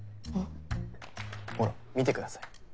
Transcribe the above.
ほら見てください。